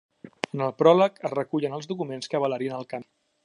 En el pròleg es recullen els documents que avalarien el canvi.